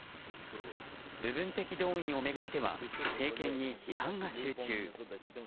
部分的動員を巡っては政権に批判が集中。